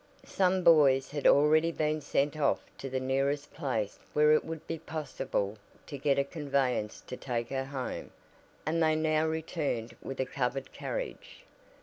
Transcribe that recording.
Some boys had already been sent off to the nearest place where it would be possible to get a conveyance to take her home, and they now returned with a covered carriage.